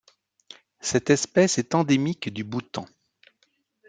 Cette espèce est endémique du Bhoutan.